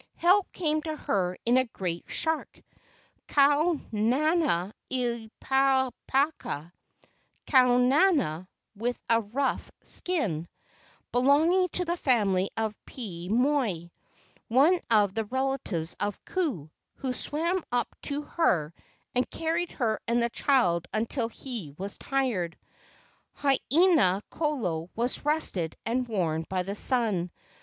Help came to her in a great shark, Kau naha ili pakapaka (Kau naha, with a rough skin), belonging to the family of Pii moi, one of the relatives of Ku, who swam up to her and carried her and the child until he was tired. Haina kolo was rested and warmed by the sun.